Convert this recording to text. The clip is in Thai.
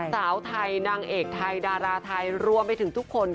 สาวไทยนางเอกไทยดาราไทยรวมไปถึงทุกคน